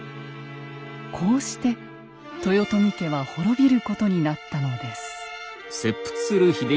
こうして豊臣家は滅びることになったのです。